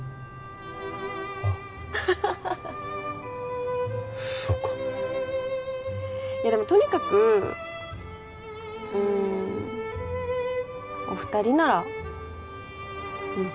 あそうかいやでもとにかくうんお二人ならうん